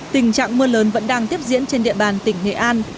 tình trạng mưa lớn vẫn đang tiếp diễn trên địa bàn tỉnh nghệ an